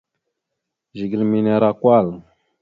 Zigla mene ara kwal.